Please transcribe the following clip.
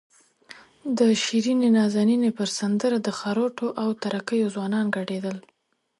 د شیرینې نازنینې پر سندره د خروټو او تره کیو ځوانان ګډېدل.